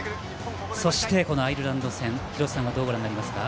そして、アイルランド戦廣瀬さんはどうご覧になりますか？